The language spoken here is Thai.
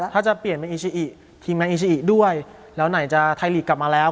ทีมงานอิชิอีด้วยแล้วไหนจะไทยลีกกลับมาแล้ว